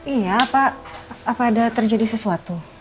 iya pak apa ada terjadi sesuatu